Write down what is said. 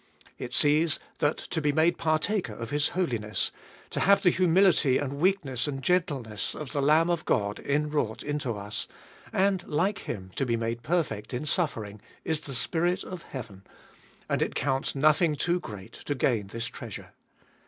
It sees that to be made par taker of His holiness, to have the humility and weakness and gentleness of the Lamb of God inwrought into us, and like Him to be made perfect in suffering, is the spirit of heaven, and it counts nothing too great to gain this treasure.